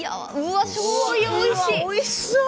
おいしそう！